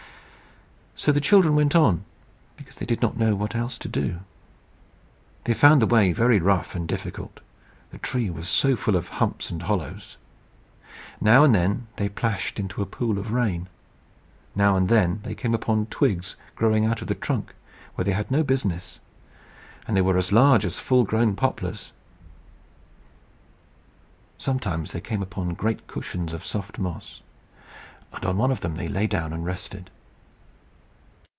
So the children went on because they did not know what else to do. They found the way very rough and difficult, the tree was so full of humps and hollows. Now and then they plashed into a pool of rain; now and then they came upon twigs growing out of the trunk where they had no business, and they were as large as full grown poplars. Sometimes they came upon great cushions of soft moss, and on one of them they lay down and rested.